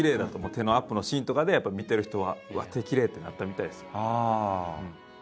手のアップのシーンとかでやっぱり見てる人は「うわっ手きれい」ってなったみたいですよ。